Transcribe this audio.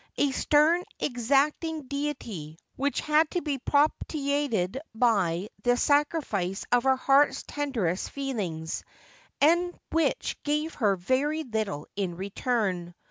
A stern, exacting deity, which had to be propitiated by the sacrifice of her heart's tenderest feelings, and whicli gave her very little in return.